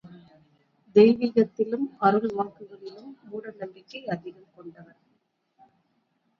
தெய்வீகத்திலும், அருள் வாக்குகளிலும் மூட நம்பிக்கை அதிகம் கொண்டவர்.